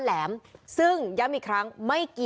พวกมันต้องกินกันพี่